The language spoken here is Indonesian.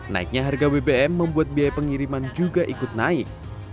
naiknya harga bbm membuat biaya pengiriman juga ikut naik